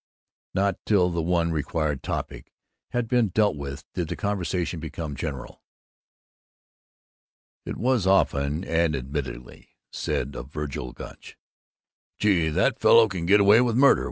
Not till the one required topic had been dealt with did the conversation become general. It was often and admiringly said of Vergil Gunch, "Gee, that fellow can get away with murder!